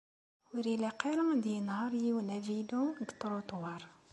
Ur ilaq ara ad yenher yiwen avilu deg utruṭwar.